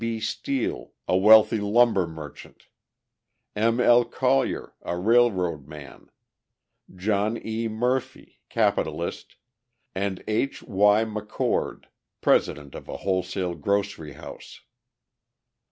B. Steele, a wealthy lumber merchant; M. L. Collier, a railroad man; John E. Murphy, capitalist; and H. Y. McCord, president of a wholesale grocery house.